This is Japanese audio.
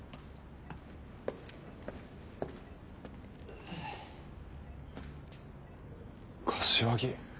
・うぅ・柏木？